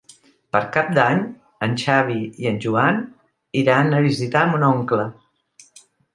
Per Cap d'Any en Xavi i en Joan iran a visitar mon oncle.